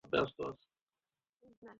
হিন্দুস্তানি একটি সুন্দর ভাষা।